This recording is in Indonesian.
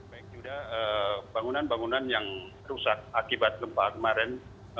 baik yuda bangunan bangunan yang rusak akibat gempa kemarin